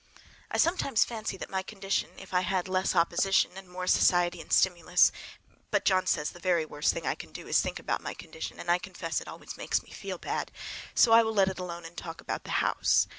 I sometimes fancy that in my condition if I had less opposition and more society and stimulus—but John says the very worst thing I can do is to think about my condition, and I confess it always makes me feel bad. So I will let it alone and talk about the house.